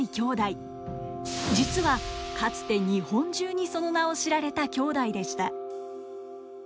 実はかつて日本中にその名を知られた兄弟でした。